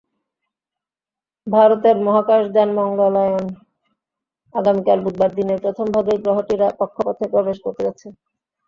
ভারতের মহাকাশযান মঙ্গলায়ন আগামীকাল বুধবার দিনের প্রথম ভাগেই গ্রহটির কক্ষপথে প্রবেশ করতে যাচ্ছে।